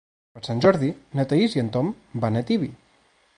Per Sant Jordi na Thaís i en Tom van a Tibi.